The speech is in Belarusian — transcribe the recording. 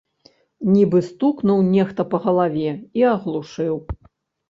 Нібы стукнуў нехта па галаве і аглушыў.